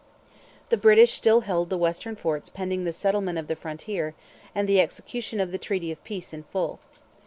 The British still held the Western forts pending the settlement of the frontier and the execution of the treaty of peace in full.